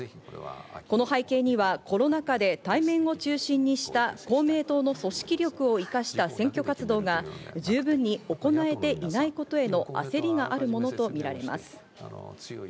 この背景にはコロナ禍で対面を中心にした公明党の組織力を生かした選挙活動がじゅうぶんに行えていないことへの焦りがあるものとみられます。